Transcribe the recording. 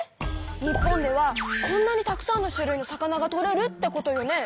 日本ではこんなにたくさんの種類の魚がとれるってことよね。